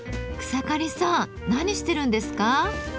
草刈さん何してるんですか？